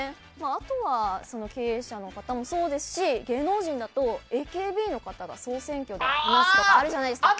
あとは、経営者の方もそうですし芸能人だとＡＫＢの方が総選挙で話すとかあるじゃないですか。